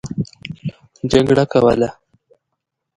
جګړه کوله.